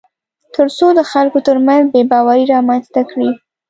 تر څو د خلکو ترمنځ بېباوري رامنځته کړي